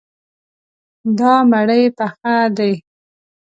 دا مړی پخه دی.